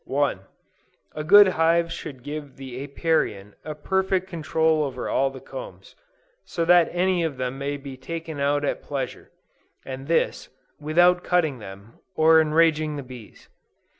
1. A good hive should give the Apiarian a perfect control over all the combs: so that any of them may be taken out at pleasure; and this, without cutting them, or enraging the bees.